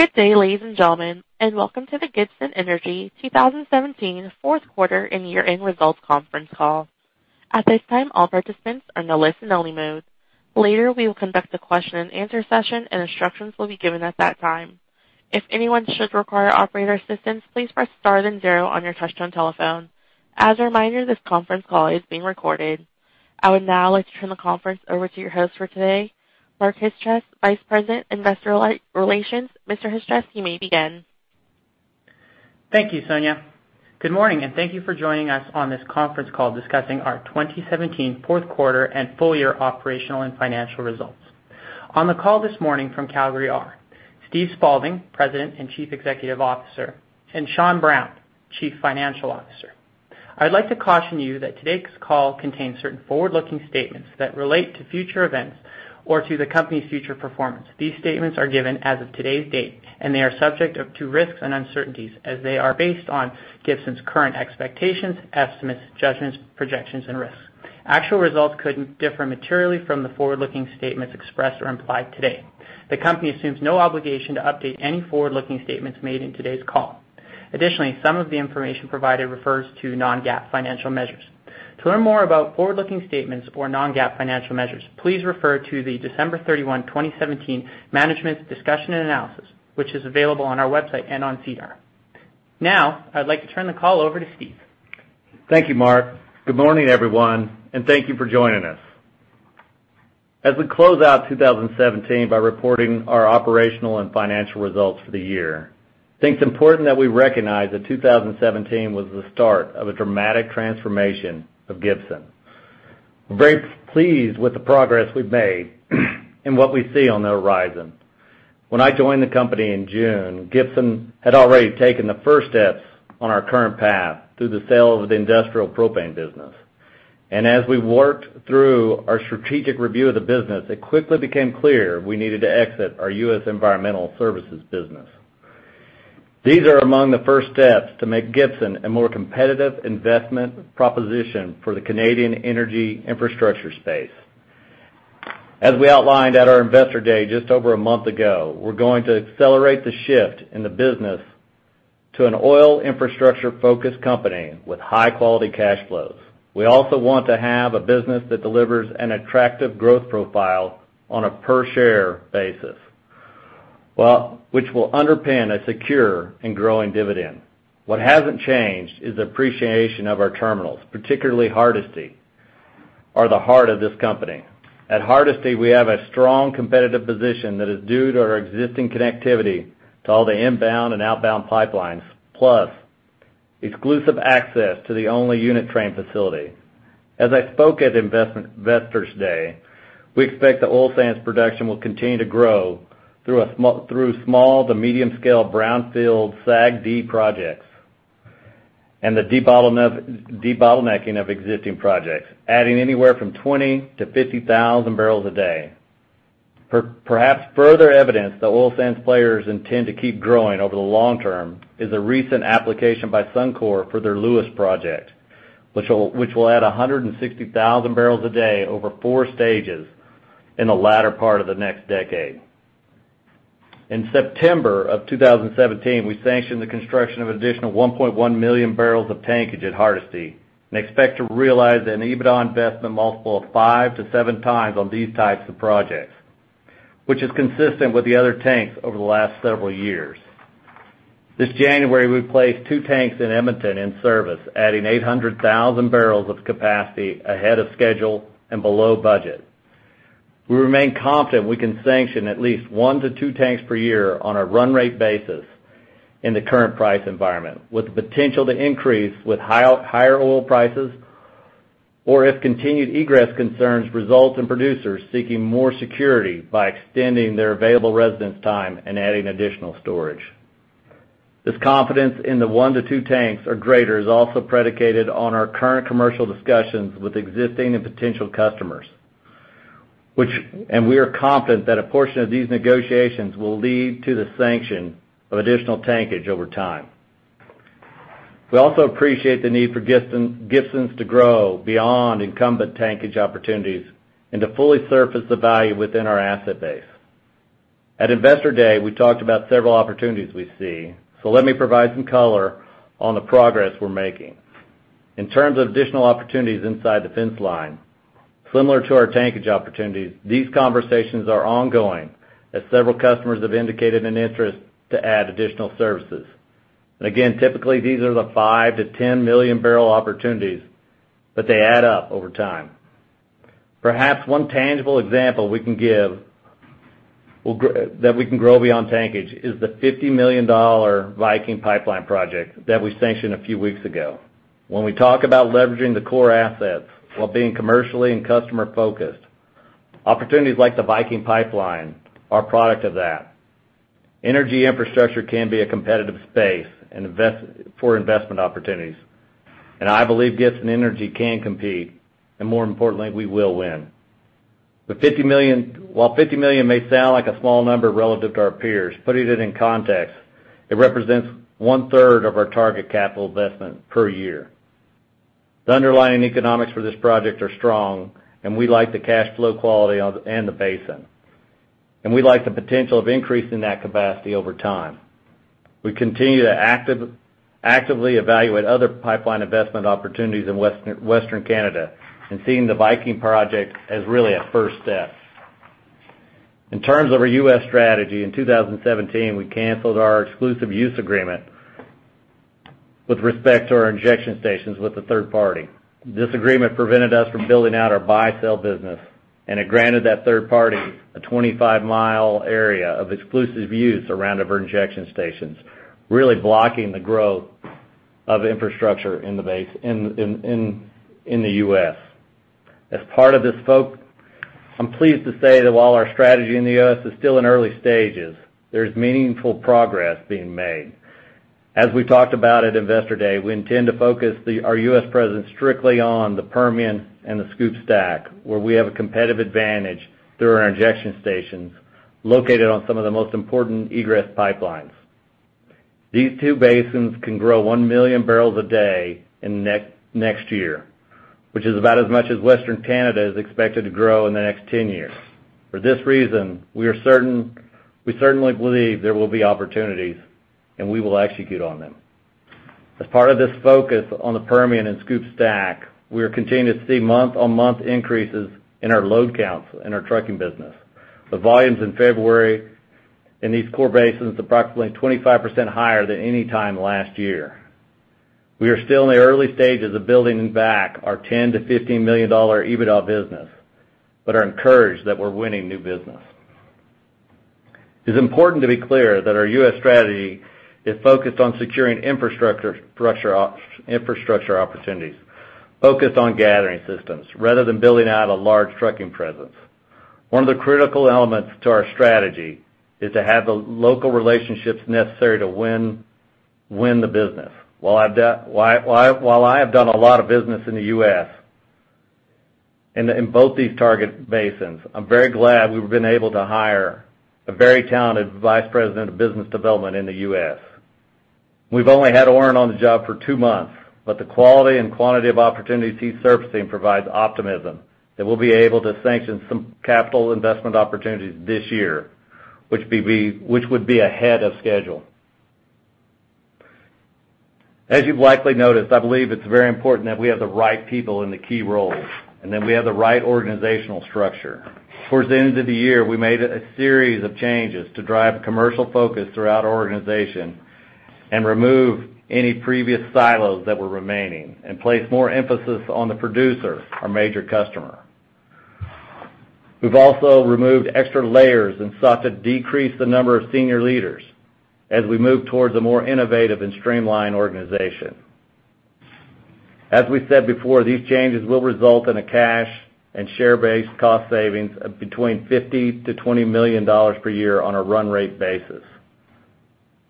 Good day, ladies and gentlemen, and welcome to the Gibson Energy 2017 fourth quarter and year-end results conference call. At this time, all participants are in listen-only mode. Later, we will conduct a question and answer session, and instructions will be given at that time. If anyone should require operator assistance, please press star then zero on your touch-tone telephone. As a reminder, this conference call is being recorded. I would now like to turn the conference over to your host for today, Mark Dickinson, Vice President, Investor Relations. Mr. Dickinson, you may begin. Thank you, Sonia. Good morning, and thank you for joining us on this conference call discussing our 2017 Q4 and full year operational and financial results. On the call this morning from Calgary are Steve Spaulding, President and CEO, and Sean Brown, CFO. I'd like to caution you that today's call contains certain forward-looking statements that relate to future events or to the company's future performance. These statements are given as of today's date, and they are subject to risks and uncertainties as they are based on Gibson's current expectations, estimates, judgments, projections, and risks. Actual results could differ materially from the forward-looking statements expressed or implied today. The company assumes no obligation to update any forward-looking statements made in today's call. Additionally, some of the information provided refers to non-GAAP financial measures. To learn more about forward-looking statements or non-GAAP financial measures, please refer to the December 31st 2017 management discussion and analysis, which is available on our website and on SEDAR. Now, I'd like to turn the call over to Steve. Thank you, Mark. Good morning, everyone, and thank you for joining us. As we close out 2017 by reporting our operational and financial results for the year, I think it's important that we recognize that 2017 was the start of a dramatic transformation of Gibson. We're very pleased with the progress we've made and what we see on the horizon. When I joined the company in June, Gibson had already taken the first steps on our current path through the sale of the industrial propane business. As we worked through our strategic review of the business, it quickly became clear we needed to exit our U.S. Environmental Services business. These are among the first steps to make Gibson a more competitive investment proposition for the Canadian energy infrastructure space. As we outlined at our Investor Day just over a month ago, we're going to accelerate the shift in the business to an oil infrastructure-focused company with high-quality cash flows. We also want to have a business that delivers an attractive growth profile on a per-share basis, which will underpin a secure and growing dividend. What hasn't changed is that our terminals, particularly Hardisty, are the heart of this company. At Hardisty, we have a strong competitive position that is due to our existing connectivity to all the inbound and outbound pipelines, plus exclusive access to the only unit train facility. As I spoke at Investor Day, we expect the oil sands production will continue to grow through small to medium scale brownfield SAGD projects and the debottlenecking of existing projects, adding anywhere from 20,000-50,000 barrels a day. Perhaps further evidence that oil sands players intend to keep growing over the long term is a recent application by Suncor for their Lewis project, which will add 160,000 barrels a day over four stages in the latter part of the next decade. In September 2017, we sanctioned the construction of an additional 1.1 million barrels of tankage at Hardisty and expect to realize an EBITDA investment multiple of 5-7× on these types of projects, which is consistent with the other tanks over the last several years. This January, we placed two tanks in Edmonton in service, adding 800,000 barrels of capacity ahead of schedule and below budget. We remain confident we can sanction at least one-two tanks per year on a run rate basis in the current price environment, with the potential to increase with higher oil prices or if continued egress concerns result in producers seeking more security by extending their available residence time and adding additional storage. This confidence in the one-two tanks or greater is also predicated on our current commercial discussions with existing and potential customers. We are confident that a portion of these negotiations will lead to the sanction of additional tankage over time. We also appreciate the need for Gibson to grow beyond incumbent tankage opportunities and to fully surface the value within our asset base. At Investor Day, we talked about several opportunities we see, so let me provide some color on the progress we're making. In terms of additional opportunities inside the fence line, similar to our tankage opportunities, these conversations are ongoing as several customers have indicated an interest to add additional services. Again, typically, these are the 5- to 10-million-barrel opportunities, but they add up over time. Perhaps one tangible example that we can grow beyond tankage is the 50 million dollar Viking pipeline project that we sanctioned a few weeks ago. When we talk about leveraging the core assets while being commercially and customer-focused, opportunities like the Viking pipeline are a product of that. Energy infrastructure can be a competitive space for investment opportunities, and I believe Gibson Energy can compete, and more importantly, we will win. While $50 million may sound like a small number relative to our peers, putting it in context, it represents one-third of our target capital investment per year. The underlying economics for this project are strong, and we like the cash flow quality and the basin. We like the potential of increasing that capacity over time. We continue to actively evaluate other pipeline investment opportunities in Western Canada and seeing the Viking project as really a first step. In terms of our U.S. strategy, in 2017, we canceled our exclusive use agreement with respect to our injection stations with a third party. This agreement prevented us from building out our buy-sell business, and it granted that third party a 25-mile area of exclusive use around our injection stations, really blocking the growth of infrastructure in the U.S. As part of this focus, I'm pleased to say that while our strategy in the U.S. is still in early stages, there's meaningful progress being made. As we talked about at Investor Day, we intend to focus our U.S. presence strictly on the Permian and the Scoop Stack, where we have a competitive advantage through our injection stations located on some of the most important egress pipelines. These two basins can grow 1 million barrels a day in next year, which is about as much as Western Canada is expected to grow in the next 10 years. For this reason, we certainly believe there will be opportunities, and we will execute on them. As part of this focus on the Permian and SCOOP Stack, we are continuing to see month-on-month increases in our load counts in our trucking business, with volumes in February in these core basins approximately 25% higher than any time last year. We are still in the early stages of building back our $10-$15 million EBITDA business, but are encouraged that we're winning new business. It's important to be clear that our U.S. strategy is focused on securing infrastructure opportunities, focused on gathering systems rather than building out a large trucking presence. One of the critical elements to our strategy is to have the local relationships necessary to win the business. While I have done a lot of business in the U.S. in both these target basins, I'm very glad we've been able to hire a very talented vice president of business development in the U.S. We've only had Oren on the job for two months, but the quality and quantity of opportunities he's surfacing provides optimism that we'll be able to sanction some capital investment opportunities this year, which would be ahead of schedule. As you've likely noticed, I believe it's very important that we have the right people in the key roles and that we have the right organizational structure. Toward the end of the year, we made a series of changes to drive commercial focus throughout our organization and remove any previous silos that were remaining and place more emphasis on the producer, our major customer. We've also removed extra layers and sought to decrease the number of senior leaders as we move toward a more innovative and streamlined organization. As we said before, these changes will result in a cash and share-based cost savings of between 15 million to 20 million dollars per year on a run rate basis.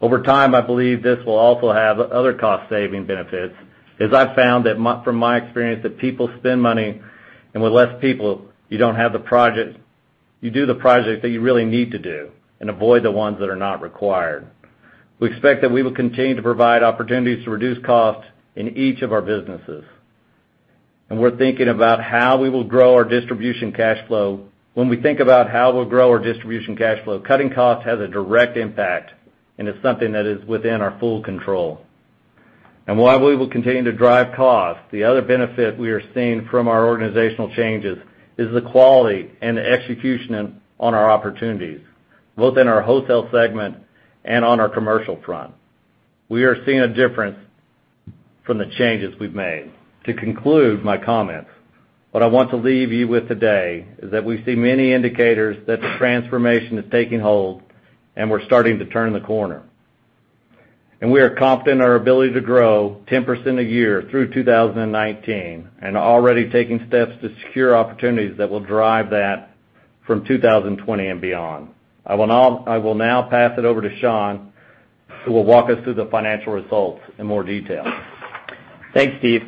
Over time, I believe this will also have other cost-saving benefits, as I've found from my experience that people spend money, and with less people, you do the project that you really need to do and avoid the ones that are not required. We expect that we will continue to provide opportunities to reduce costs in each of our businesses, and we're thinking about how we will grow our distribution cash flow. When we think about how we'll grow our distribution cash flow, cutting costs has a direct impact and is something that is within our full control. While we will continue to drive costs, the other benefit we are seeing from our organizational changes is the quality and the execution on our opportunities, both in our wholesale segment and on our commercial front. We are seeing a difference from the changes we've made. To conclude my comments, what I want to leave you with today is that we see many indicators that the transformation is taking hold and we're starting to turn the corner. We are confident in our ability to grow 10% a year through 2019 and are already taking steps to secure opportunities that will drive that from 2020 and beyond. I will now pass it over to Sean, who will walk us through the financial results in more detail. Thanks, Steve.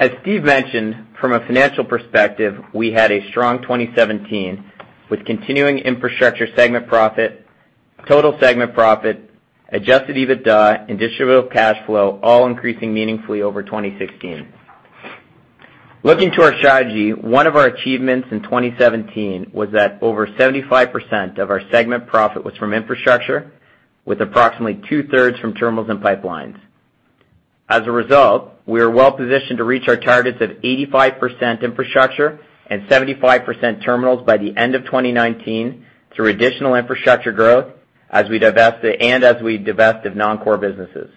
As Steve mentioned, from a financial perspective, we had a strong 2017 with continuing infrastructure segment profit, total segment profit, adjusted EBITDA, and distributable cash flow all increasing meaningfully over 2016. Looking to our strategy, one of our achievements in 2017 was that over 75% of our segment profit was from infrastructure, with approximately two-thirds from terminals and pipelines. As a result, we are well positioned to reach our targets of 85% infrastructure and 75% terminals by the end of 2019 through additional infrastructure growth and as we divest of non-core businesses.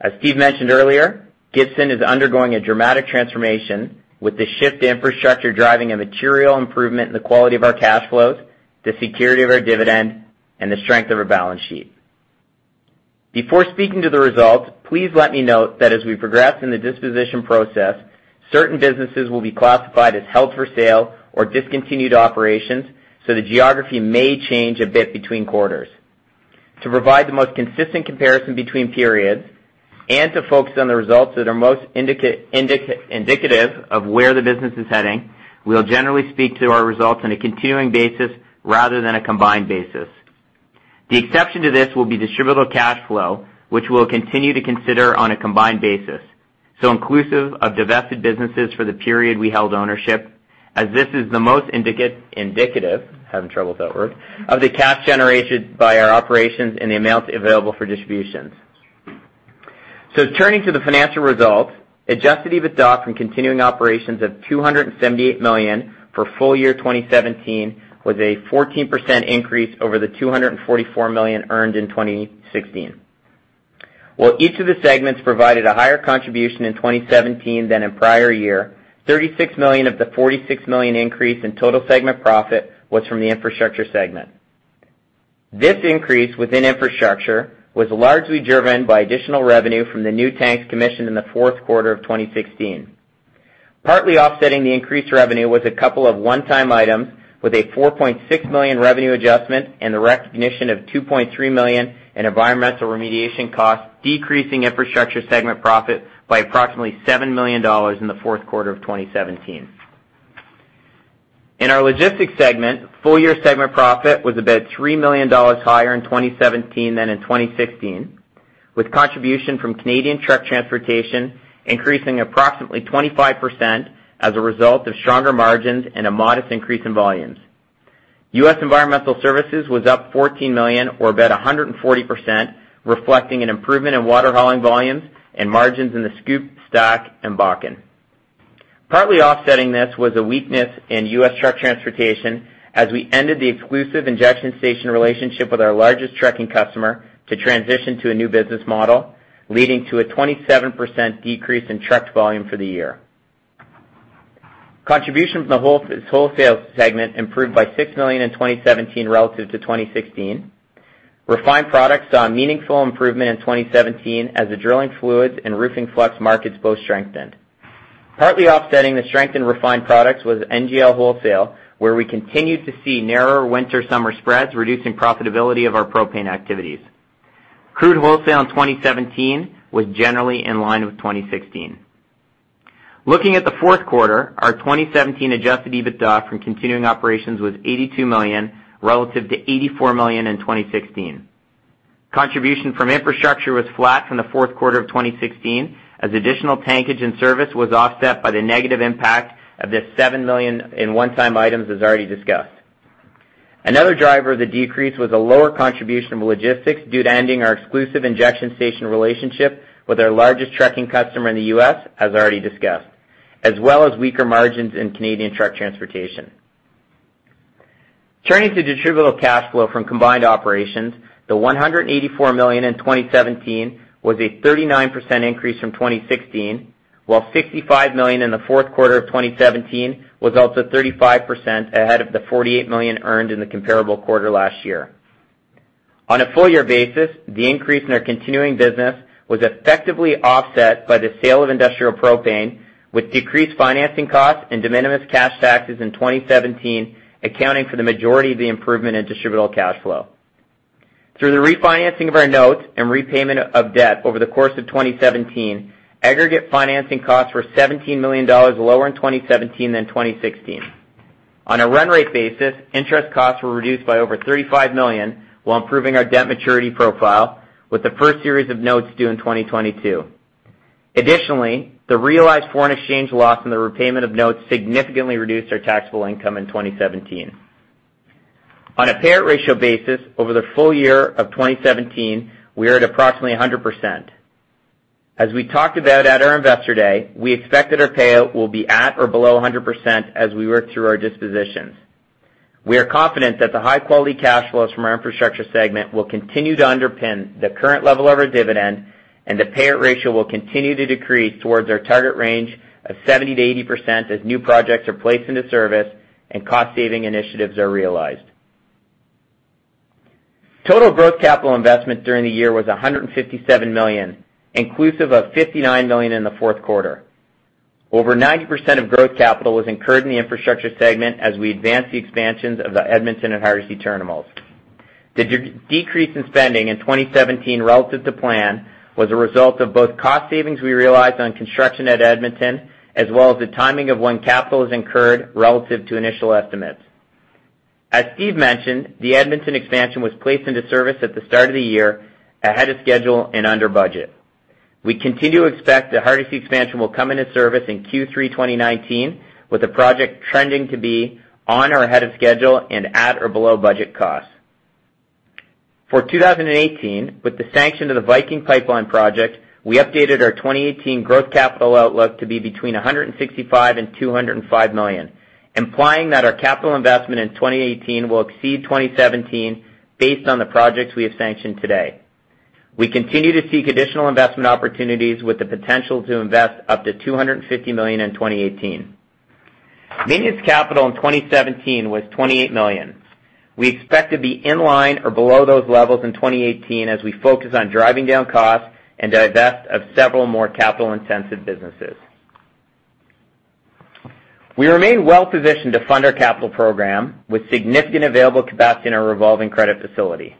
As Steve mentioned earlier, Gibson is undergoing a dramatic transformation with the shift to infrastructure driving a material improvement in the quality of our cash flows, the security of our dividend, and the strength of our balance sheet. Before speaking to the results, please let me note that as we progress in the disposition process, certain businesses will be classified as held for sale or discontinued operations, so the geography may change a bit between quarters. To provide the most consistent comparison between periods and to focus on the results that are most indicative of where the business is heading, we'll generally speak to our results on a continuing basis rather than a combined basis. The exception to this will be distributable cash flow, which we'll continue to consider on a combined basis. Inclusive of divested businesses for the period we held ownership, as this is the most indicative of the cash generation by our operations and the amounts available for distributions. Turning to the financial results, adjusted EBITDA from continuing operations of 278 million for full year 2017 was a 14% increase over the 244 million earned in 2016. While each of the segments provided a higher contribution in 2017 than in prior year, 36 million of the 46 million increase in total segment profit was from the infrastructure segment. This increase within infrastructure was largely driven by additional revenue from the new tanks commissioned in the Q4 of 2016. Partly offsetting the increased revenue was a couple of one-time items with a 4.6 million revenue adjustment and the recognition of 2.3 million in environmental remediation costs, decreasing infrastructure segment profit by approximately 7 million dollars in theQ4 of 2017. In our logistics segment, full-year segment profit was about 3 million dollars higher in 2017 than in 2016, with contribution from Canadian truck transportation increasing approximately 25% as a result of stronger margins and a modest increase in volumes. U.S. Environmental Services was up $14 million or about 140%, reflecting an improvement in water hauling volumes and margins in the SCOOP, Stack, and Bakken. Partly offsetting this was a weakness in U.S. truck transportation as we ended the exclusive injection station relationship with our largest trucking customer to transition to a new business model, leading to a 27% decrease in trucked volume for the year. Contribution from the wholesale segment improved by 6 million in 2017 relative to 2016. Refined products saw a meaningful improvement in 2017 as the drilling fluids and roofing flux markets both strengthened. Partly offsetting the strength in refined products was NGL Wholesale, where we continued to see narrower winter-summer spreads, reducing profitability of our propane activities. Crude wholesale in 2017 was generally in line with 2016. Looking at the fourth quarter, our 2017 adjusted EBITDA from continuing operations was CAD 82 million relative to CAD 84 million in 2016. Contribution from infrastructure was flat from the fourth quarter of 2016, as additional tankage and service was offset by the negative impact of the 7 million in one-time items as already discussed. Another driver of the decrease was a lower contribution from logistics due to ending our exclusive injection station relationship with our largest trucking customer in the U.S., as already discussed, as well as weaker margins in Canadian truck transportation. Turning to distributable cash flow from combined operations, the 184 million in 2017 was a 39% increase from 2016, while 65 million in the fourth quarter of 2017 was also 35% ahead of the 48 million earned in the comparable quarter last year. On a full year basis, the increase in our continuing business was effectively offset by the sale of industrial propane, with decreased financing costs and de minimis cash taxes in 2017 accounting for the majority of the improvement in distributable cash flow. Through the refinancing of our notes and repayment of debt over the course of 2017, aggregate financing costs were 17 million dollars lower in 2017 than 2016. On a run rate basis, interest costs were reduced by over 35 million, while improving our debt maturity profile with the first series of notes due in 2022. Additionally, the realized foreign exchange loss from the repayment of notes significantly reduced our taxable income in 2017. On a payout ratio basis, over the full year of 2017, we are at approximately 100%. As we talked about at our Investor Day, we expect that our payout will be at or below 100% as we work through our dispositions. We are confident that the high-quality cash flows from our infrastructure segment will continue to underpin the current level of our dividend, and the payout ratio will continue to decrease towards our target range of 70%-80% as new projects are placed into service and cost-saving initiatives are realized. Total growth capital investment during the year was 157 million, inclusive of 59 million in the fourth quarter. Over 90% of growth capital was incurred in the infrastructure segment as we advanced the expansions of the Edmonton and Hardisty terminals. The decrease in spending in 2017 relative to plan was a result of both cost savings we realized on construction at Edmonton, as well as the timing of when capital is incurred relative to initial estimates. As Steve mentioned, the Edmonton expansion was placed into service at the start of the year ahead of schedule and under budget. We continue to expect the Hardisty expansion will come into service in Q3 2019, with the project trending to be on or ahead of schedule and at or below budget costs. For 2018, with the sanction of the Viking Pipeline project, we updated our 2018 growth capital outlook to be between 165 million and 205 million, implying that our capital investment in 2018 will exceed 2017 based on the projects we have sanctioned today. We continue to seek additional investment opportunities with the potential to invest up to 250 million in 2018. Maintenance capital in 2017 was 28 million. We expect to be in line or below those levels in 2018 as we focus on driving down costs and divest of several more capital-intensive businesses. We remain well-positioned to fund our capital program with significant available capacity in our revolving credit facility.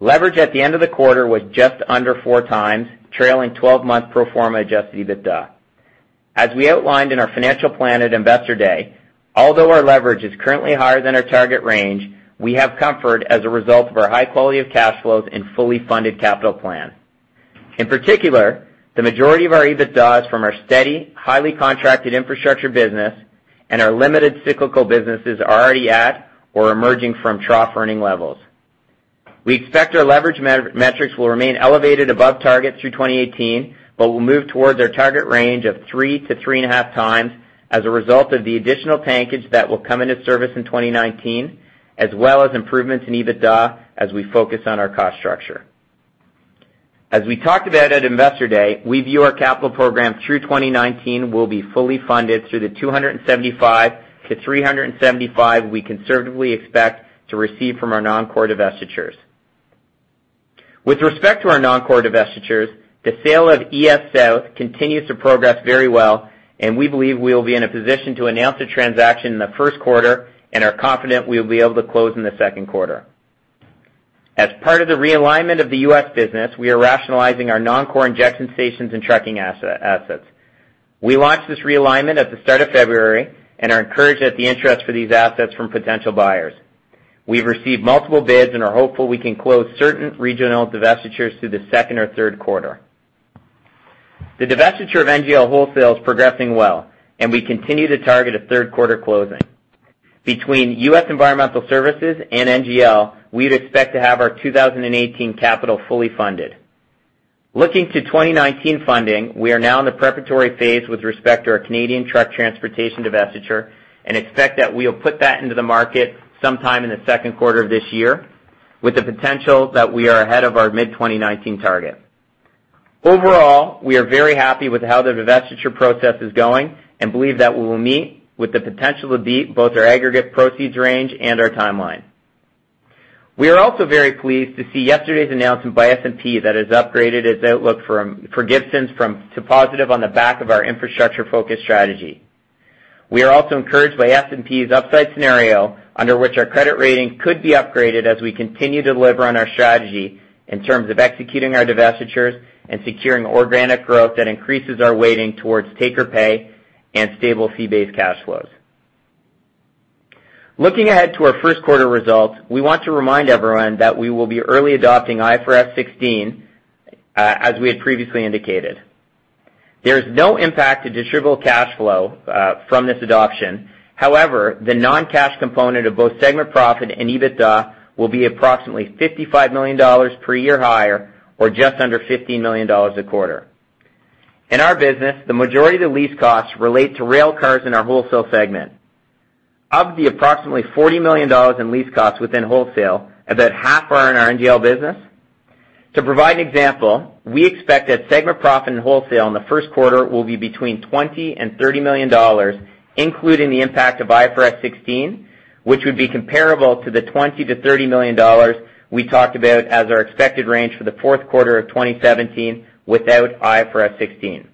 Leverage at the end of the quarter was just under 4x trailing 12-month pro forma adjusted EBITDA. As we outlined in our financial plan at Investor Day, although our leverage is currently higher than our target range, we have comfort as a result of our high quality of cash flows and fully funded capital plan. In particular, the majority of our EBITDA is from our steady, highly contracted infrastructure business, and our limited cyclical businesses are already at or emerging from trough earning levels. We expect our leverage metrics will remain elevated above target through 2018, but will move towards our target range of 3-3.5× as a result of the additional tankage that will come into service in 2019, as well as improvements in EBITDA as we focus on our cost structure. As we talked about at Investor Day, we view our capital program through 2019 will be fully funded through the $275-$375 we conservatively expect to receive from our non-core divestitures. With respect to our non-core divestitures, the sale of ES South continues to progress very well, and we believe we will be in a position to announce a transaction in the first quarter and are confident we will be able to close in the second quarter. As part of the realignment of the U.S. business, we are rationalizing our non-core injection stations and trucking assets. We launched this realignment at the start of February and are encouraged at the interest for these assets from potential buyers. We've received multiple bids and are hopeful we can close certain regional divestitures through the second or third quarter. The divestiture of NGL Wholesale is progressing well, and we continue to target a third quarter closing. Between U.S. Environmental Services and NGL, we'd expect to have our 2018 capital fully funded. Looking to 2019 funding, we are now in the preparatory phase with respect to our Canadian truck transportation divestiture and expect that we'll put that into the market sometime in the Q2 of this year, with the potential that we are ahead of our mid-2019 target. Overall, we are very happy with how the divestiture process is going and believe that we will meet, with the potential to beat, both our aggregate proceeds range and our timeline. We are also very pleased to see yesterday's announcement by S&P that has upgraded its outlook for Gibson to positive on the back of our infrastructure-focused strategy. We are also encouraged by S&P's upside scenario, under which our credit rating could be upgraded as we continue to deliver on our strategy in terms of executing our divestitures and securing organic growth that increases our weighting towards take-or-pay and stable fee-based cash flows. Looking ahead to our Q1 results, we want to remind everyone that we will be early adopting IFRS 16, as we had previously indicated. There is no impact to distributable cash flow from this adoption. However, the non-cash component of both segment profit and EBITDA will be approximately 55 million dollars per year higher or just under 15 million dollars a quarter. In our business, the majority of the lease costs relate to rail cars in our wholesale segment. Of the approximately 40 million dollars in lease costs within wholesale, about half are in our NGL business. To provide an example, we expect that segment profit in wholesale in the Q1 will be between 20 million and 30 million dollars, including the impact of IFRS 16, which would be comparable to the 20 million-30 million dollars we talked about as our expected range for the Q4 of 2017 without IFRS 16.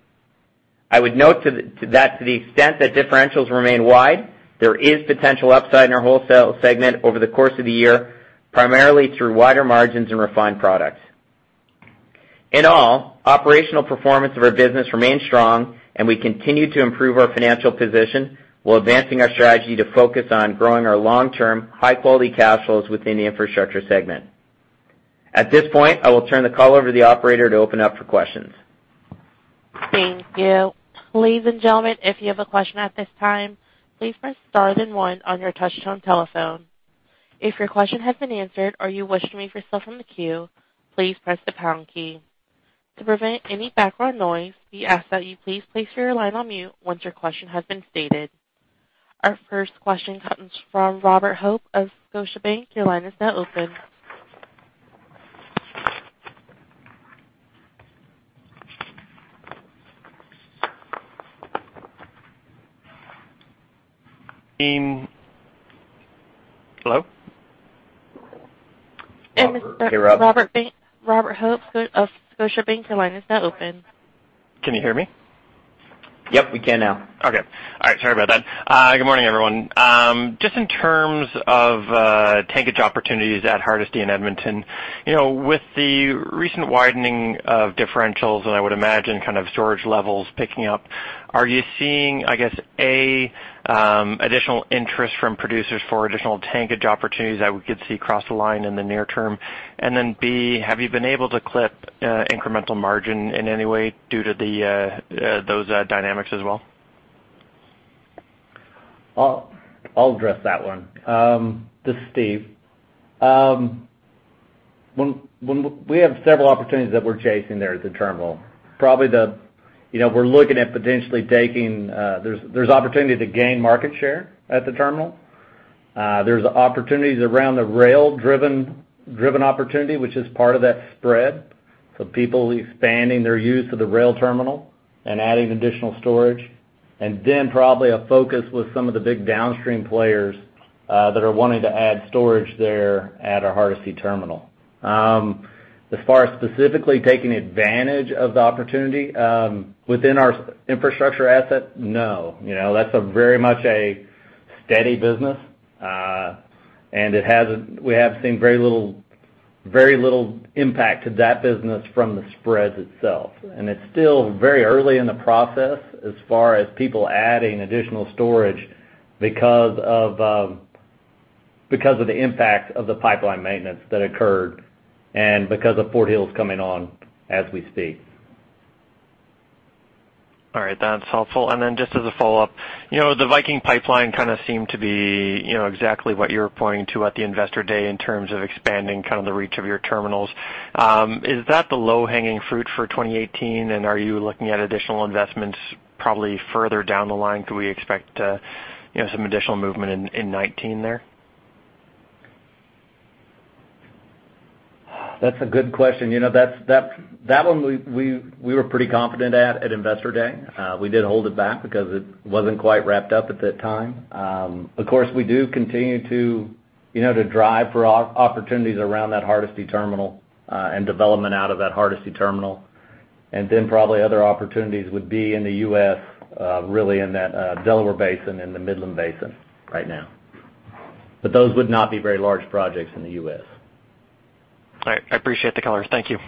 I would note that to the extent that differentials remain wide, there is potential upside in our wholesale segment over the course of the year, primarily through wider margins in refined products. In all, operational performance of our business remains strong, and we continue to improve our financial position while advancing our strategy to focus on growing our long-term, high-quality cash flows within the infrastructure segment. At this point, I will turn the call over to the operator to open up for questions. Thank you. Ladies and gentlemen, if you have a question at this time, please press star then one on your touchtone telephone. If your question has been answered or you wish to remove yourself from the queue, please press the pound key. To prevent any background noise, we ask that you please place your line on mute once your question has been stated. Our first question comes from Robert Hope of Scotiabank. Your line is now open. Hello? This is Robert Hope of Scotiabank. Your line is now open. Can you hear me? Yep, we can now. Okay. All right. Sorry about that. Good morning, everyone. Just in terms of tankage opportunities at Hardisty in Edmonton. With the recent widening of differentials and I would imagine storage levels picking up, are you seeing, I guess, A, additional interest from producers for additional tankage opportunities that we could see cross the line in the near term? And then, B, have you been able to clip incremental margin in any way due to those dynamics as well? I'll address that one. This is Steve. We have several opportunities that we're chasing there at the terminal. There's opportunity to gain market share at the terminal. There's opportunities around the rail-driven opportunity, which is part of that spread, so people expanding their use of the rail terminal and adding additional storage. Then probably a focus with some of the big downstream players that are wanting to add storage there at our Hardisty terminal. As far as specifically taking advantage of the opportunity within our infrastructure asset, no. That's very much a steady business. We have seen very little impact to that business from the spread itself. It's still very early in the process as far as people adding additional storage because of the impact of the pipeline maintenance that occurred and because of Fort Hills coming on as we speak. All right. That's helpful. Just as a follow-up, the Viking Pipeline kind of seemed to be exactly what you're pointing to at the Investor Day in terms of expanding kind of the reach of your terminals. Is that the low-hanging fruit for 2018? Are you looking at additional investments probably further down the line? Could we expect some additional movement in 2019 there? That's a good question. That one we were pretty confident at Investor Day. We did hold it back because it wasn't quite wrapped up at that time. Of course, we do continue to drive for opportunities around that Hardisty terminal and development out of that Hardisty terminal. Probably other opportunities would be in the U.S., really in that Delaware Basin and the Midland Basin right now. Those would not be very large projects in the U.S. All right. I appreciate the color. Thank you.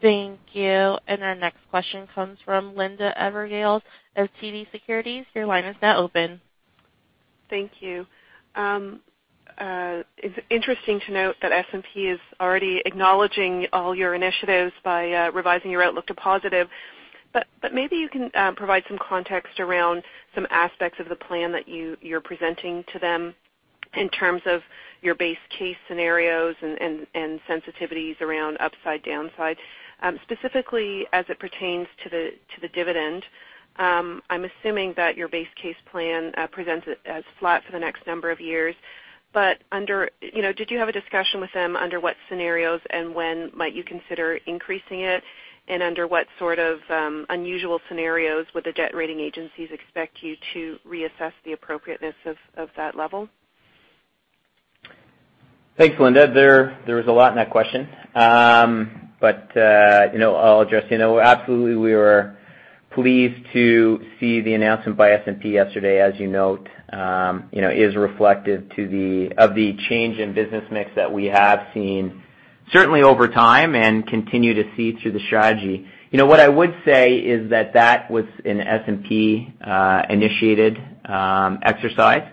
Thank you. Our next question comes from Linda Ezergailis of TD Securities. Your line is now open. Thank you. It's interesting to note that S&P is already acknowledging all your initiatives by revising your outlook to positive. Maybe you can provide some context around some aspects of the plan that you're presenting to them in terms of your base case scenarios and sensitivities around upside, downside. Specifically as it pertains to the dividend, I'm assuming that your base case plan presents it as flat for the next number of years. Did you have a discussion with them under what scenarios and when might you consider increasing it? Under what sort of unusual scenarios would the debt rating agencies expect you to reassess the appropriateness of that level? Thanks, Linda. There was a lot in that question. I'll address. Absolutely we were pleased to see the announcement by S&P yesterday, as you note, is reflective of the change in business mix that we have seen certainly over time and continue to see through the strategy. What I would say is that was an S&P-initiated exercise.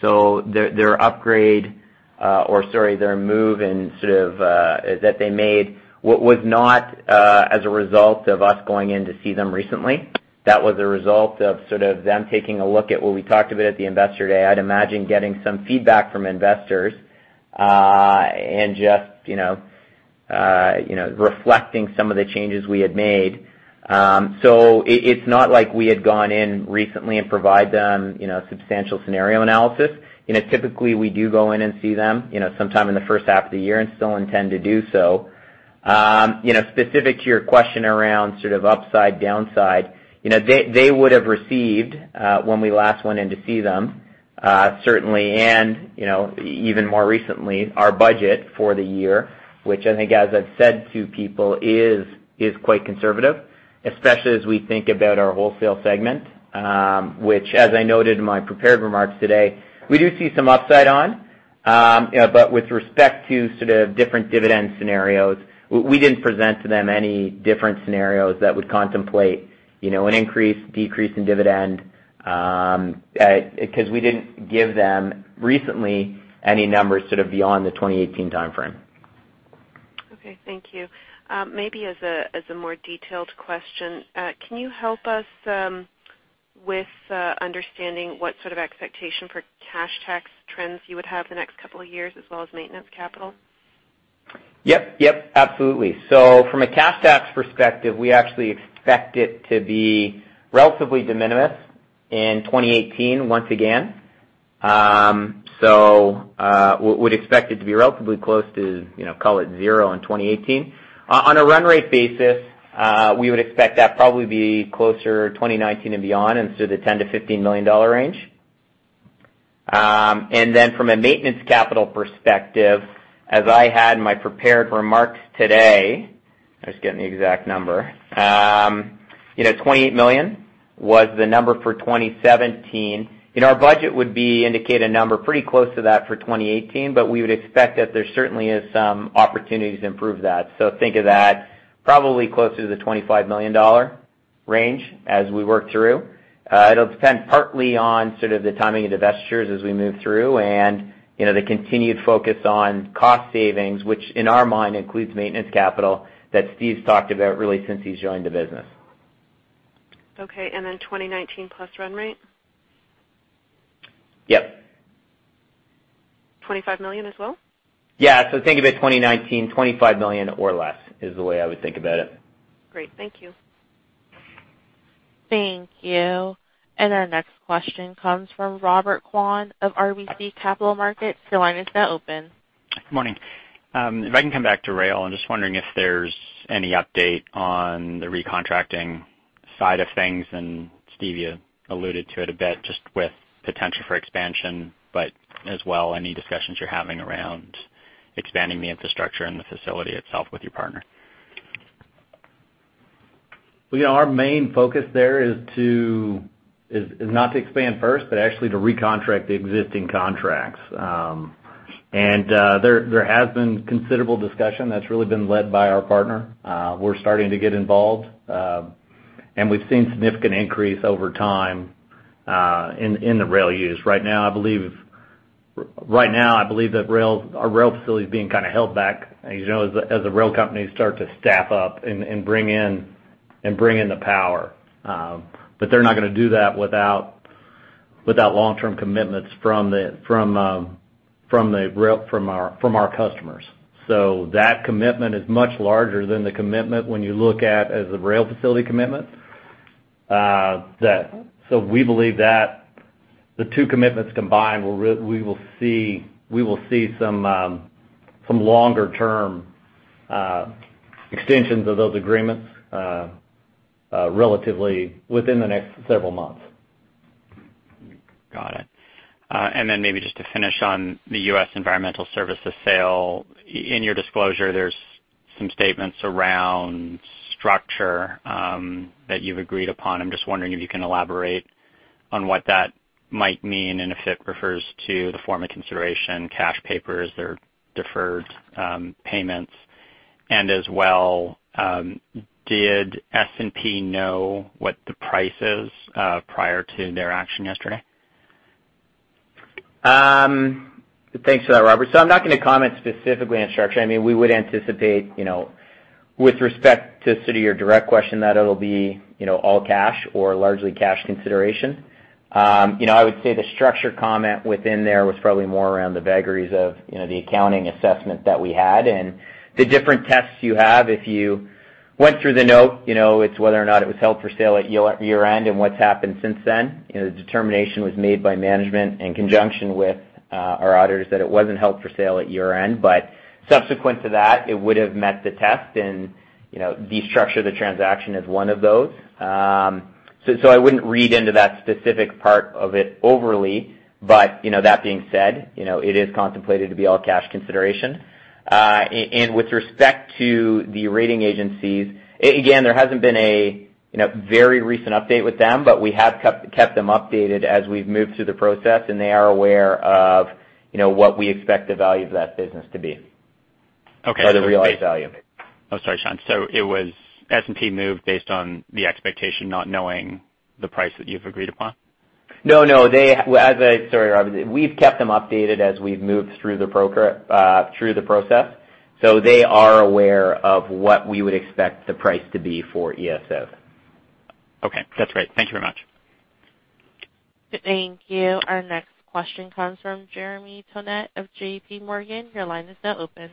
Their upgrade, or sorry, their move that they made was not as a result of us going in to see them recently. That was a result of sort of them taking a look at what we talked about at the Investor Day. I'd imagine getting some feedback from investors, and just reflecting some of the changes we had made. It's not like we had gone in recently and provide them substantial scenario analysis. Typically, we do go in and see them sometime in the first half of the year and still intend to do so. Specific to your question around sort of upside, downside, they would've received, when we last went in to see them, certainly, and even more recently, our budget for the year, which I think, as I've said to people, is quite conservative, especially as we think about our wholesale segment, which as I noted in my prepared remarks today, we do see some upside on. With respect to sort of different dividend scenarios, we didn't present to them any different scenarios that would contemplate an increase, decrease in dividend, because we didn't give them recently any numbers sort of beyond the 2018 timeframe. Okay, thank you. Maybe as a more detailed question, can you help us with understanding what sort of expectation for cash tax trends you would have the next couple of years as well as maintenance capital? Yep. Absolutely. From a cash tax perspective, we actually expect it to be relatively de minimis in 2018, once again. We'd expect it to be relatively close to call it zero in 2018. On a run rate basis, we would expect that probably be closer 2019 and beyond in sort of the 10 million-15 million dollar range. From a maintenance capital perspective, as I had in my prepared remarks today, I'll just get an exact number, 28 million was the number for 2017. Our budget would indicate a number pretty close to that for 2018, but we would expect that there certainly is some opportunities to improve that. Think of that probably closer to the 25 million dollar range as we work through. It'll depend partly on sort of the timing of the divestitures as we move through and the continued focus on cost savings, which, in our mind, includes maintenance capital that Steve's talked about really since he's joined the business. Okay. 2019 plus run rate? Yep. 25 million as well? Yeah. Think of it 2019, 25 million or less is the way I would think about it. Great. Thank you. Thank you. Our next question comes from Robert Kwan of RBC Capital Markets. Your line is now open. Good morning. If I can come back to rail, I'm just wondering if there's any update on the recontracting side of things, and Steve, you alluded to it a bit just with potential for expansion, but as well any discussions you're having around expanding the infrastructure and the facility itself with your partner? Our main focus there is not to expand first, but actually to recontract the existing contracts. There has been considerable discussion that's really been led by our partner. We're starting to get involved, and we've seen significant increase over time in the rail use. Right now, I believe that our rail facility is being held back as the rail companies start to staff up and bring in the power. They're not going to do that without long-term commitments from our customers. That commitment is much larger than the commitment when you look at as the rail facility commitment. We believe that the two commitments combined, we will see some longer-term extensions of those agreements relatively within the next several months. Got it. Maybe just to finish on the U.S. Environmental Services sale. In your disclosure, there's some statements around structure that you've agreed upon. I'm just wondering if you can elaborate on what that might mean and if it refers to the form of consideration, cash, papers, or deferred payments. As well, did S&P know what the price is prior to their action yesterday? Thanks for that, Robert. I'm not going to comment specifically on structure. We would anticipate with respect to sort of your direct question, that it'll be all cash or largely cash consideration. I would say the structure comment within there was probably more around the vagaries of the accounting assessment that we had and the different tests you have. If you went through the note, it's whether or not it was held for sale at year-end and what's happened since then. The determination was made by management in conjunction with our auditors that it wasn't held for sale at year-end. Subsequent to that, it would have met the test, and the structure of the transaction is one of those. I wouldn't read into that specific part of it overly, but that being said, it is contemplated to be all cash consideration. With respect to the rating agencies, again, there hasn't been a very recent update with them, but we have kept them updated as we've moved through the process, and they are aware of what we expect the value of that business to be. Okay. The realized value. Oh, sorry, Sean. It was S&P move based on the expectation not knowing the price that you've agreed upon? No, no. Sorry, Robert. We've kept them updated as we've moved through the process. They are aware of what we would expect the price to be for ES South. Okay. That's great. Thank you very much. Thank you. Our next question comes from Jeremy Tonet of J.PMorgan. Your line is now open.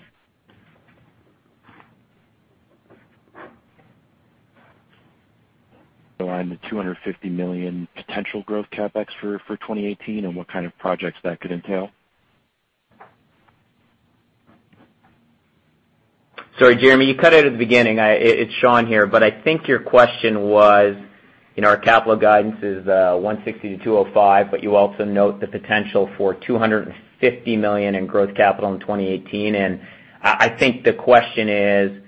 The line, the 250 million potential growth CapEx for 2018, and what kind of projects that could entail. Sorry, Jeremy, you cut out at the beginning. It's Sean here, but I think your question was, our capital guidance is 160-205, but you also note the potential for 250 million in growth capital in 2018. I think the question is,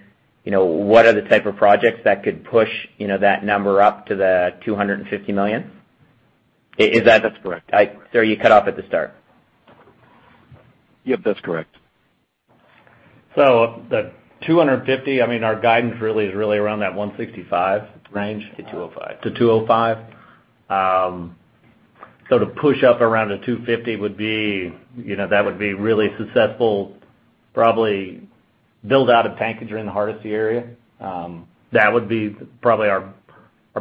what are the type of projects that could push that number up to the 250 million? Is that- That's correct. Sorry. You cut off at the start. Yep, that's correct. The 250, our guidance really is around that 165 range. To 205. To 205. To push up around to 250, that would be really successful, probably build out a tankage in the Hardisty area. That would be probably our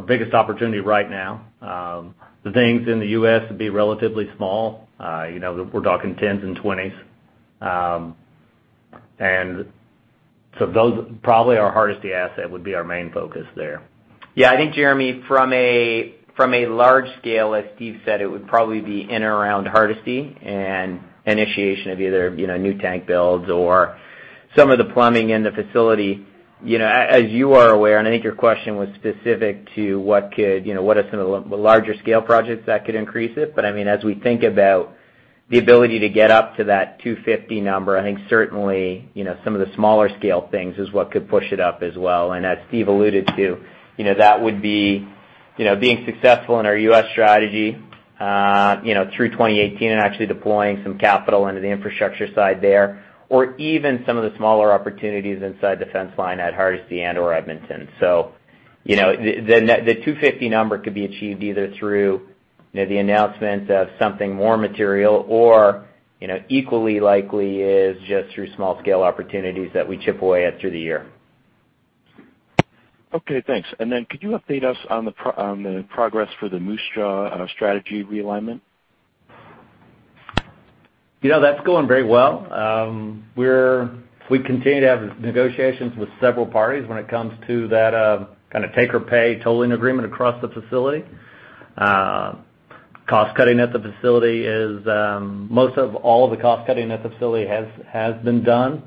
biggest opportunity right now. The things in the U.S. would be relatively small. We're talking 10s and 20s. Probably our Hardisty asset would be our main focus there. Yeah, I think Jeremy, from a large scale, as Steve said, it would probably be in and around Hardisty and initiation of either new tank builds or some of the plumbing in the facility. As you are aware, and I think your question was specific to what are some of the larger scale projects that could increase it. As we think about the ability to get up to that 250 number, I think certainly, some of the smaller scale things is what could push it up as well. As Steve alluded to, that would be being successful in our U.S. strategy, through 2018 and actually deploying some capital into the infrastructure side there or even some of the smaller opportunities inside the fence line at Hardisty and/or Edmonton. The 250 number could be achieved either through the announcement of something more material or, equally likely, is just through small scale opportunities that we chip away at through the year. Okay, thanks. Could you update us on the progress for the Moose Jaw strategy realignment? That's going very well. We continue to have negotiations with several parties when it comes to that kind of take or pay tolling agreement across the facility. Most of all of the cost cutting at the facility has been done.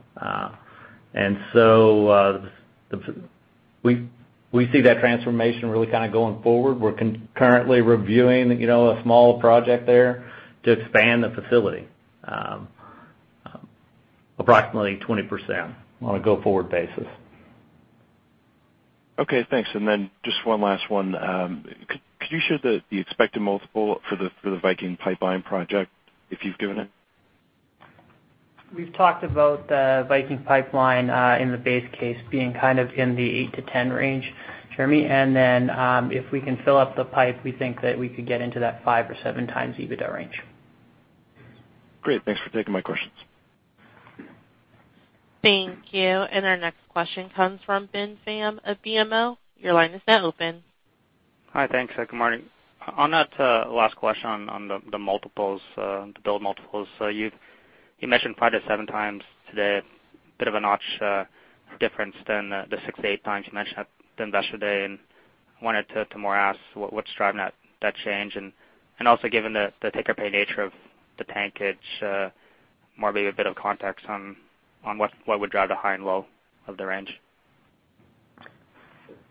We see that transformation really kind of going forward. We're currently reviewing a small project there to expand the facility. Approximately 20% on a go-forward basis. Okay, thanks. Just one last one. Could you share the expected multiple for the Viking pipeline project if you've given it? We've talked about the Viking pipeline in the base case being kind of in the eight-ten range, Jeremy, and then if we can fill up the pipe, we think that we could get into that 5x or 7x EBITDA range. Great. Thanks for taking my questions. Thank you. Our next question comes from Ben Pham of BMO. Your line is now open. Hi. Thanks. Good morning. On that last question on the build multiples, you mentioned 5-7x today, a bit of a notch difference than the 6-8x you mentioned at the Investor Day. Wanted to more ask what's driving that change? Also given the take or pay nature of the tankage, more maybe a bit of context on what would drive the high and low of the range.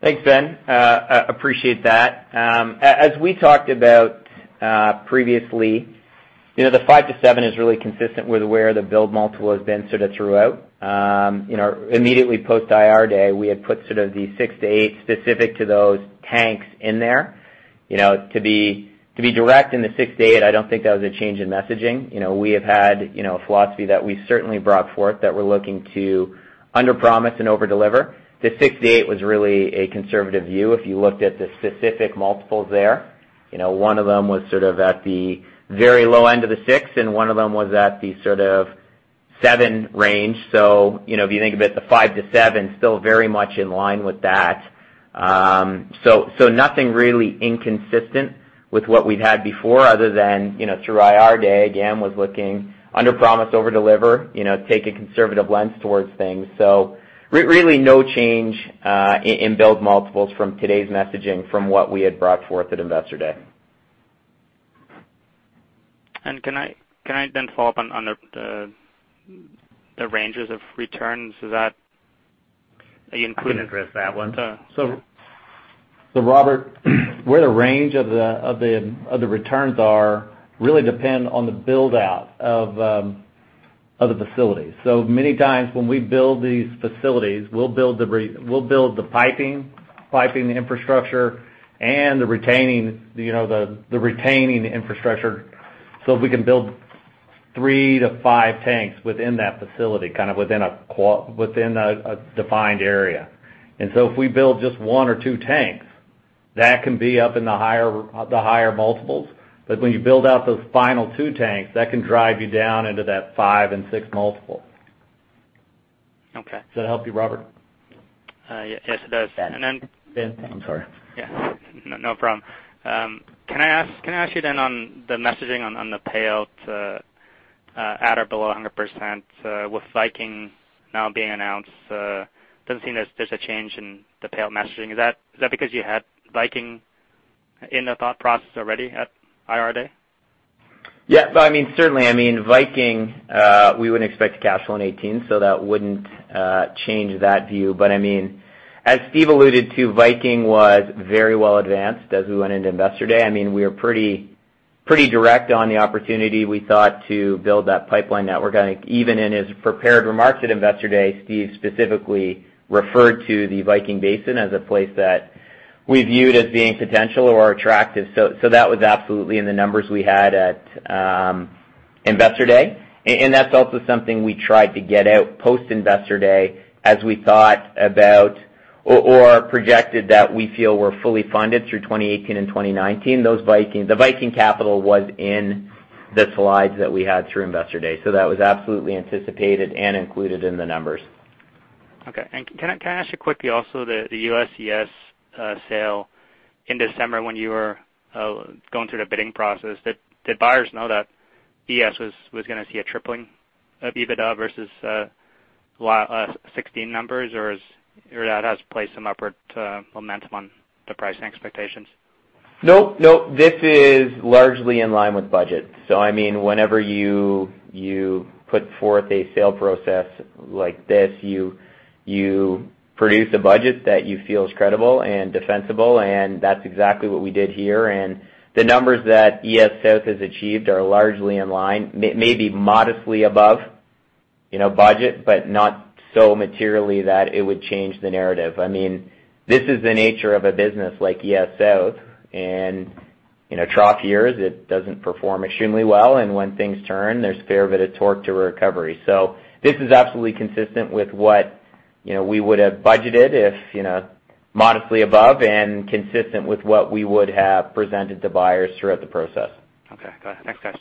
Thanks, Ben. Appreciate that. As we talked about previously, the five-seven is really consistent with where the build multiple has been sort of throughout. Immediately post-Investor Day, we had put sort of the six-eight specific to those tanks in there. To be direct, in the six-eight, I don't think that was a change in messaging. We have had a philosophy that we certainly brought forth that we're looking to underpromise and overdeliver. The six-eight was really a conservative view. If you looked at the specific multiples there, one of them was sort of at the very low end of the six, and one of them was at the sort of seven range. If you think about the five-seven, still very much in line with that. Nothing really inconsistent with what we've had before other than through Investor Day, again, was looking underpromise, overdeliver, take a conservative lens towards things. Really no change in build multiples from today's messaging from what we had brought forth at Investor Day. Can I then follow up on the ranges of returns? Is that included? Can address that one. Robert, where the range of the returns are really depend on the build-out of the facilities. Many times, when we build these facilities, we'll build the piping infrastructure and the retaining infrastructure, so we can build three to five tanks within that facility, kind of within a defined area. If we build just one or two tanks, that can be up in the higher multiples. When you build out those final two tanks, that can drive you down into that five and six multiple. Okay. Does that help you, Robert? Yes, it does. Ben. I'm sorry. Yeah. No problem. Can I ask you then on the messaging on the payout at or below 100% with Viking now being announced? Doesn't seem there's a change in the payout messaging. Is that because you had Viking in the thought process already at Investor Day? Yeah. Certainly. I mean, Viking, we wouldn't expect to cash flow in 2018, so that wouldn't change that view. As Steve alluded to, Viking was very well advanced as we went into Investor Day. We are pretty direct on the opportunity we thought to build that pipeline network. Even in his prepared remarks at Investor Day, Steve specifically referred to the Viking Basin as a place that we viewed as being potential or attractive. That was absolutely in the numbers we had at Investor Day. That's also something we tried to get out post Investor Day as we thought about or projected that we feel we're fully funded through 2018 and 2019. The Viking capital was in the slides that we had through Investor Day, so that was absolutely anticipated and included in the numbers. Okay. Can I ask you quickly also the U.S. ES sale in December when you were going through the bidding process, did buyers know that ES was going to see a tripling of EBITDA versus 2016 numbers? Or that has placed some upward momentum on the pricing expectations? No. This is largely in line with budget. Whenever you put forth a sale process like this, you produce a budget that you feel is credible and defensible, and that's exactly what we did here. The numbers that ES South has achieved are largely in line, maybe modestly above budget, but not so materially that it would change the narrative. This is the nature of a business like ES South, and trough years, it doesn't perform extremely well, and when things turn, there's fair bit of torque to recovery. This is absolutely consistent with what we would have budgeted, modestly above and consistent with what we would have presented to buyers throughout the process. Okay, got it. Thanks, guys.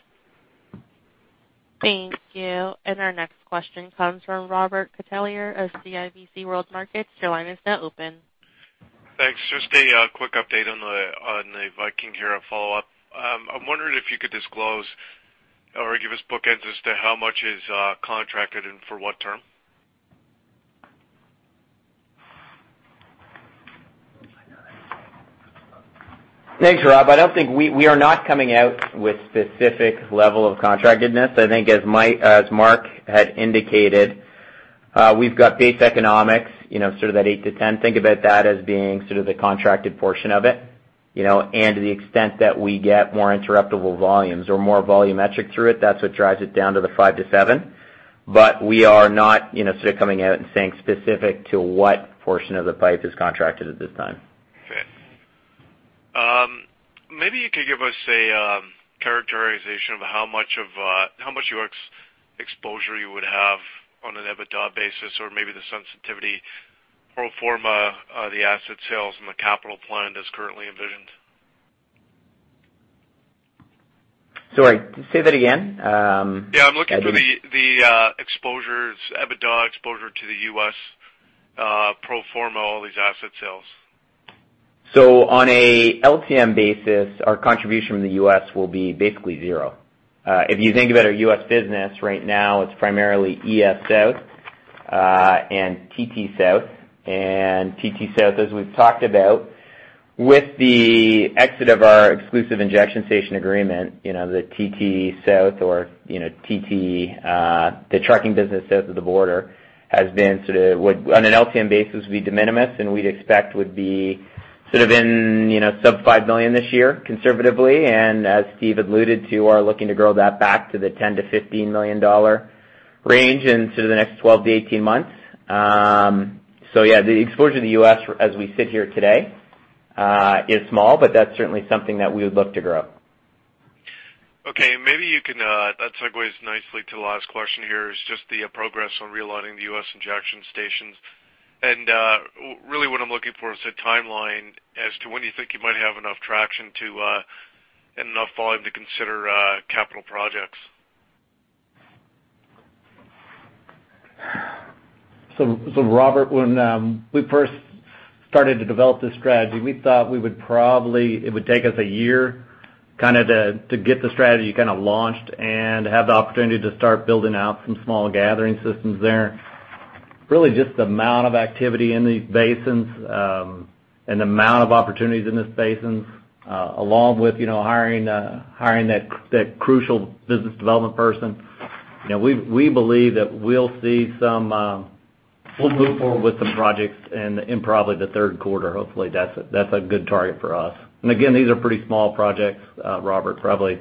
Thank you. Our next question comes from Robert Catellier of CIBC World Markets. Your line is now open. Thanks. Just a quick update on the Viking here, a follow-up. I'm wondering if you could disclose or give us bookends as to how much is contracted and for what term? Thanks, Rob. We are not coming out with specific level of contractedness. I think as Mark had indicated. We've got base economics, sort of that eight-ten percent. Think about that as being sort of the contracted portion of it, and to the extent that we get more interruptible volumes or more volumetric through it, that's what drives it down to the five-seven percent. But we are not sort of coming out and saying specific to what portion of the pipe is contracted at this time. Okay. Maybe you could give us a characterization of how much of your exposure you would have on an EBITDA basis, or maybe the sensitivity pro forma of the asset sales and the capital plan as currently envisioned. Sorry, say that again. Yeah, I'm looking for the EBITDA exposure to the U.S. pro forma all these asset sales. On a LTM basis, our contribution from the U.S. will be basically zero. If you think about our U.S. business right now, it's primarily ES South and TT South. TT South, as we've talked about, with the exit of our exclusive injection station agreement, the TT South or the trucking business south of the border has been sort of what, on an LTM basis, would be de minimis and we'd expect would be sort of in sub-$5 million this year conservatively and, as Steve alluded to, are looking to grow that back to the $10-$15 million range in sort of the next 12-18 months. Yeah, the exposure to the U.S. as we sit here today is small, but that's certainly something that we would look to grow. Okay. That segues nicely to the last question here, is just the progress on realigning the U.S. injection stations. Really what I'm looking for is a timeline as to when you think you might have enough traction and enough volume to consider capital projects. Robert, when we first started to develop this strategy, we thought it would take us a year to get the strategy launched and have the opportunity to start building out some small gathering systems there. Really just the amount of activity in these basins, and the amount of opportunities in these basins, along with hiring that crucial business development person, we believe that we'll move forward with some projects in probably the third quarter. Hopefully, that's a good target for us. Again, these are pretty small projects, Robert, probably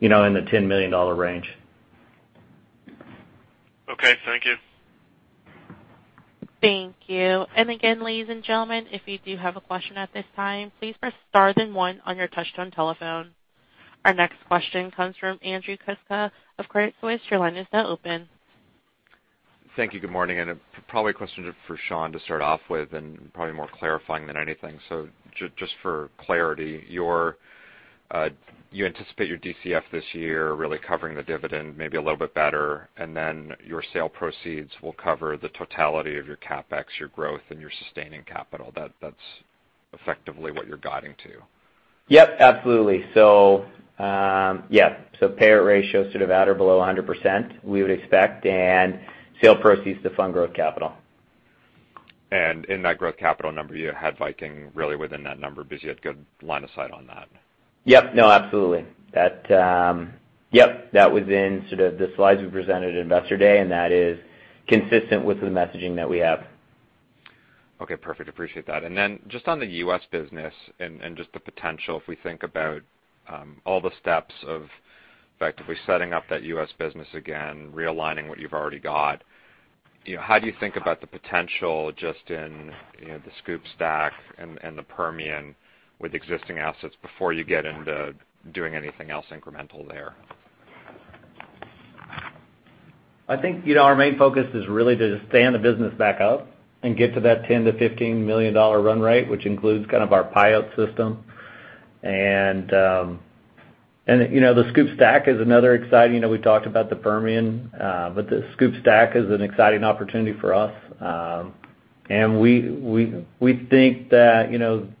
in the $10 million range. Okay, thank you. Thank you. Again, ladies and gentlemen, if you do have a question at this time, please press star then one on your touch-tone telephone. Our next question comes from Andrew Kuske of Credit Suisse. Your line is now open. Thank you. Good morning, and probably a question for Sean to start off with, and probably more clarifying than anything. Just for clarity, you anticipate your DCF this year really covering the dividend maybe a little bit better, and then your sale proceeds will cover the totality of your CapEx, your growth, and your sustaining capital. That's effectively what you're guiding to. Yep, absolutely. Payout ratio sort of at or below 100%, we would expect, and sale proceeds to fund growth capital. In that growth capital number, you had Viking really within that number because you had good line of sight on that. Yep. No, absolutely. Yep. That was in sort of the slides we presented at Investor Day, and that is consistent with the messaging that we have. Okay, perfect. Appreciate that. Just on the U.S. business and just the potential, if we think about all the steps of effectively setting up that U.S. business again, realigning what you've already got, how do you think about the potential just in the Scoop Stack and the Permian with existing assets before you get into doing anything else incremental there? I think our main focus is really to just stand the business back up and get to that $10 million-$15 million run rate, which includes kind of our pilot system. The SCOOP Stack is another exciting opportunity for us. We talked about the Permian, but the SCOOP Stack is an exciting opportunity for us. We think that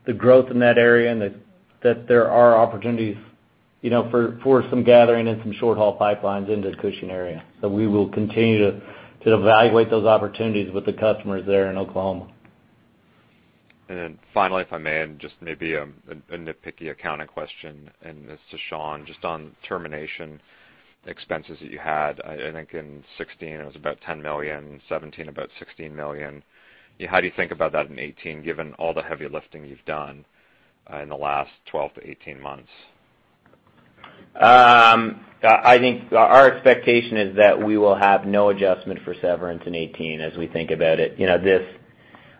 the growth in that area and that there are opportunities for some gathering and some short-haul pipelines into the Cushing area. We will continue to evaluate those opportunities with the customers there in Oklahoma. Finally, if I may, and just maybe a nitpicky accounting question, and this is to Sean, just on termination expenses that you had, I think in 2016, it was about 10 million, 2017, about 16 million. How do you think about that in 2018, given all the heavy lifting you've done in the last 12 to 18 months? I think our expectation is that we will have no adjustment for severance in 2018 as we think about it.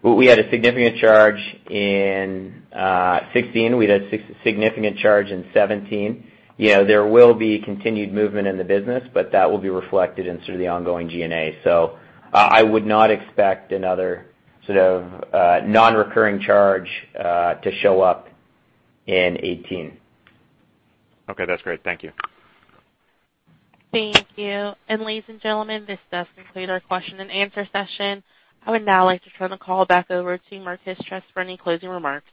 We had a significant charge in 2016. We had a significant charge in 2017. There will be continued movement in the business, but that will be reflected in sort of the ongoing G&A. I would not expect another sort of non-recurring charge to show up in 2018. Okay. That's great. Thank you. Thank you. Ladies and gentlemen, this does conclude our question and answer session. I would now like to turn the call back over to Mark Dickinson for any closing remarks.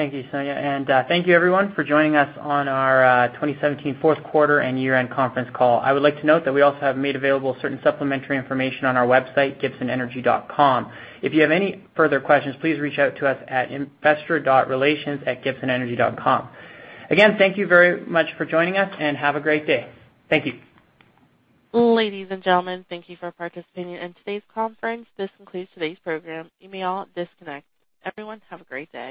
Thank you, Sonia, and thank you everyone for joining us on our 2017 Q4 and year-end conference call. I would like to note that we also have made available certain supplementary information on our website, gibsonenergy.com. If you have any further questions, please reach out to us at investor.relations@gibsonenergy.com. Again, thank you very much for joining us, and have a great day. Thank you. Ladies and gentlemen, thank you for participating in today's conference. This concludes today's program. You may all disconnect. Everyone, have a great day.